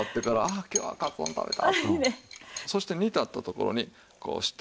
そして煮立ったところにこうして。